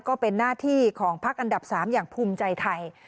ก็เป็นหน้าที่ของพักอันดับ๓อย่างภูมิใจไทย